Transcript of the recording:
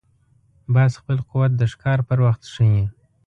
باز خپل قوت د ښکار پر وخت ښيي